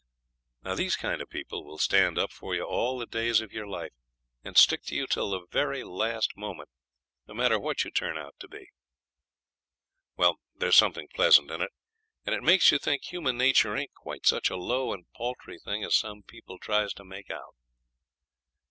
These kind of people will stand up for you all the days of your life, and stick to you till the very last moment, no matter what you turn out to be. Well, there's something pleasant in it; and it makes you think human nature ain't quite such a low and paltry thing as some people tries to make out.